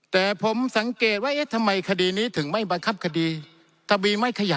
แต่ผมสังเกตว่าเอ๊ะทำไมคดีนี้ถึงไม่บังคับคดี